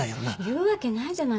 言うわけないじゃない。